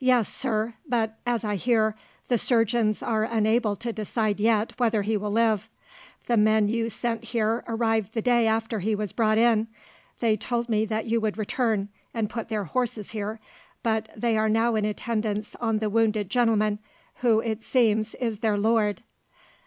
"Yes, sir; but, as I hear, the surgeons are unable to decide yet whether he will live. The men you sent here arrived the day after he was brought in. They told me that you would return, and put their horses here, but they are now in attendance on the wounded gentleman, who, it seems, is their lord."